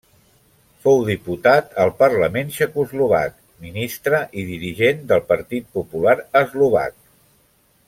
Fou diputat al Parlament txecoslovac, ministre i dirigent del Partit Popular Eslovac.